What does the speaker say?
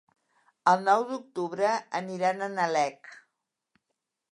El nou d'octubre aniran a Nalec.